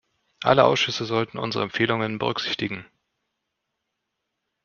Alle Ausschüsse sollten unsere Empfehlungen berücksichtigen.